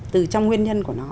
từ trong nguyên nhân của nó